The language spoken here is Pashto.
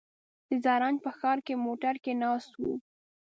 د زرنج په ښار کې موټر کې ناست و.